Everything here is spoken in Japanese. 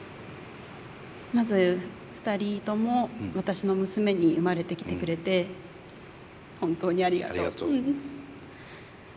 まず２人とも私の娘に生まれてきてくれて本当にありがとう。